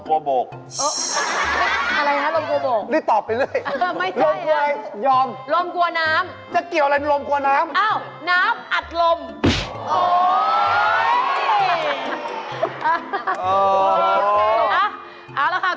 เป็นมีคำถามเกี่ยวกับน้ำเหมือนกัน